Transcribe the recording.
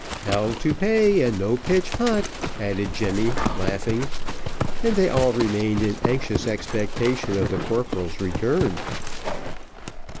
"Hell to pay and no pitch hot," added Jemmy, laughing; and they all remained in anxious expectation of the corporal's return.